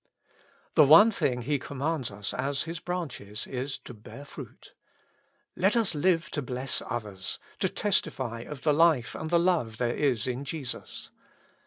The one thing He commands us as His branches is to bear fruit. Let us live to bless others, to testify of the life and the love there is in Jesus.